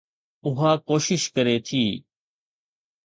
اها ڪوشش ڪري ٿي